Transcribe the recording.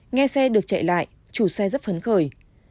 nghe xe được chạy lại chủ xe rất phấn khởi